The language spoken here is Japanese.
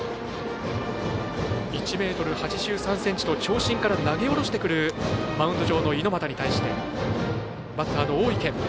１ｍ８３ｃｍの長身から投げ下ろしてくるマウンド上の猪俣に対してバッターの大池。